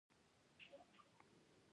پښتانه، تاجکان او هزاره ګان درې چارکه وو.